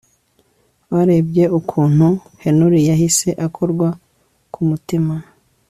barebye ukuntu Henry yahise akorwa ku mutima